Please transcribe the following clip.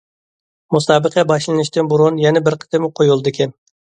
مۇسابىقە باشلىنىشتىن بۇرۇن يەنە بىر قېتىم قويۇلىدىكەن.